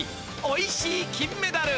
『おいしい金メダル』」。